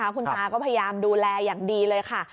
คุณตาก็พยายามดูแลอย่างดีเลยค่ะ